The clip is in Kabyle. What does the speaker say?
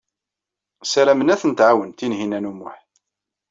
Ssaramen ad ten-tɛawen Tinhinan u Muḥ.